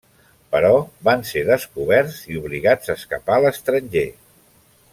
Però van ser descoberts i obligats a escapar a l'estranger.